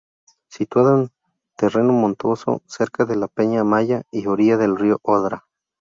Situado en terreno montuoso, cerca de la Peña Amaya, y orilla del río Odra.